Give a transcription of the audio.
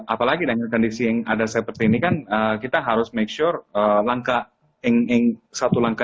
apalagi dengan kondisi yang ada seperti ini kan kita harus make sure langkah satu langkah